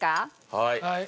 はい。